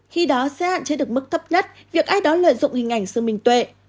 khi đó sẽ hạn chế được mức thấp nhất việc ai đó lợi dụng hình ảnh sự minh tuệ